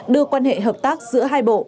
đưa quan hệ hợp tác giữa hai bộ